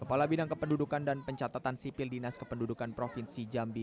kepala bidang kependudukan dan pencatatan sipil dinas kependudukan provinsi jambi